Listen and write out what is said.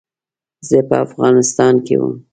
زه په افغانستان کې وم.